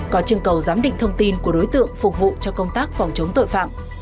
có chương cầu giám định thông tin của đối tượng phục vụ cho công tác phòng chống tội phạm